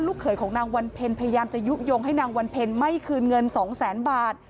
เขยของนางวันเพ็ญพยายามจะยุโยงให้นางวันเพ็ญไม่คืนเงินสองแสนบาท